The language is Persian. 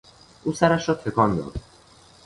او سرش را تکان داد.